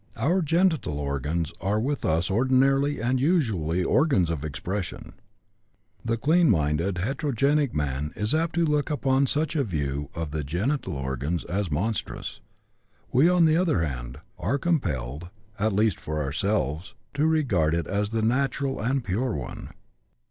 Our genital organs are with us ordinarily and usually organs of expression. The clean minded heterogenic man is apt to look upon such a view of the genital organs as monstrous; we, on the other hand, are compelled (at least for ourselves) to regard it as the natural and pure one.